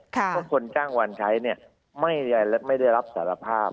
เพราะคนจ้างวันใช้ไม่ได้รับสารภาพ